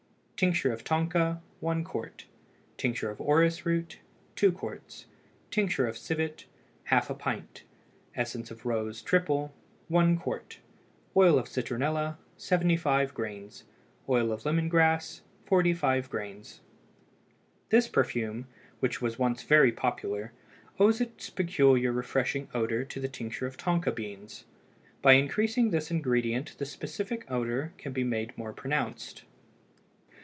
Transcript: Tincture of tonka 1 qt. Tincture of orris root 2 qts. Tincture of civet ½ pint. Essence of rose (triple) 1 qt. Oil of citronella 75 grains. Oil of lemon grass 45 grains. This perfume, which was once very popular, owes its peculiar refreshing odor to the tincture of tonka beans; by increasing this ingredient the specific odor can be made more pronounced.